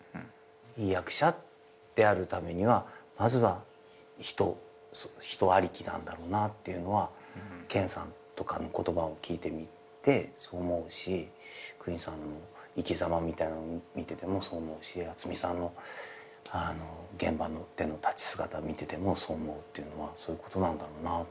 いい役者であるためにはまずは人ありきなんだろうなっていうのは健さんとかの言葉を聞いてみて思うし邦さんの生きざまみたいなの見ててもそう思うし渥美さんの現場での立ち姿見ててもそう思うっていうのはそういうことなんだろうなと。